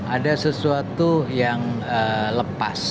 ada sesuatu yang lepas